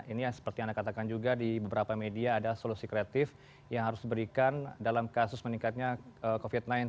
ini yang seperti anda katakan juga di beberapa media ada solusi kreatif yang harus diberikan dalam kasus meningkatnya covid sembilan belas